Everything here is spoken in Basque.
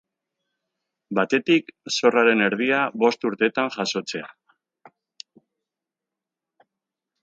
Batetik, zorraren erdia bost urtetan jasotzea.